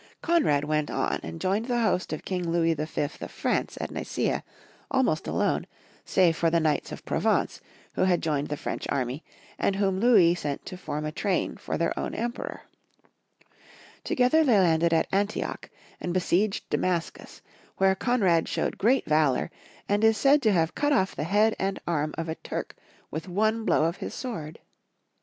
Konrad went on and joined the host of King Louis V. of France at Nicea, almost alone, save for the knights from Provence, who had joined the French army, and whom Louis sent to form a train for their own Em peror. Together they landed at Antioch and be * Nobly bright. 126 Young Folki" History of Qermany. sieged Damascus, where Konrad showed great valor, and is said to have cut off the head and arm of a Turk with one blow of his sword.